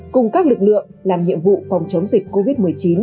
cùng các lực lượng làm nhiệm vụ phòng chống dịch covid một mươi chín